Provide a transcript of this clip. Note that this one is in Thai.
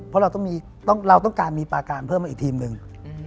เพราะเราต้องการมีปาการเพิ่มมาอีกทีมหนึ่ง